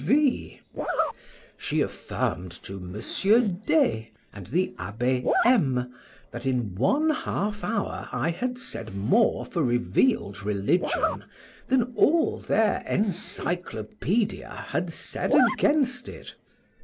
—She affirmed to Monsieur D— and the Abbé M—, that in one half hour I had said more for revealed religion, than all their Encyclopædia had said against it.